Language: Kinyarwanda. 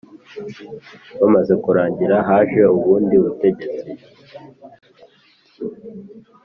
bamaze kurangira haje ubundi butegetsi